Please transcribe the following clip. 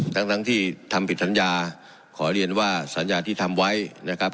ทั้งทั้งที่ทำผิดสัญญาขอเรียนว่าสัญญาที่ทำไว้นะครับ